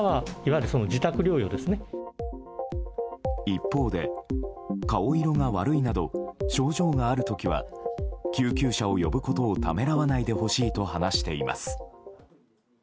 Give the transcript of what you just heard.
一方で、顔色が悪いなど症状がある時は救急車を呼ぶことをためらわないでほしいと話しています。